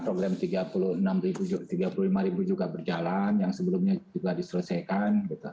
program tiga puluh lima juga berjalan yang sebelumnya juga diselesaikan